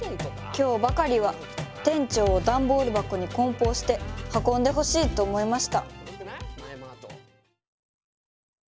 今日ばかりは店長をダンボール箱に梱包して運んでほしいと思いました